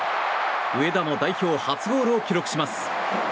上田も代表初ゴールを記録します。